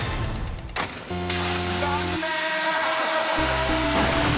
［残念！］